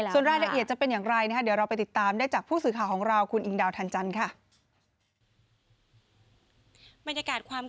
ส่วนรายละเอียดจะเป็นอย่างไรนะคะเดี๋ยวเราไปติดตามได้จากผู้สื่อข่าวของเราคุณอิงดาวทันจันทร์ค่ะ